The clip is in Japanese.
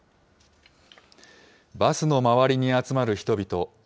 バスの周りに集まる人々。